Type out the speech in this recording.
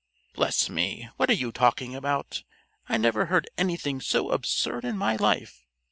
"Bless me! What are you talking about? I never heard anything so absurd in my life.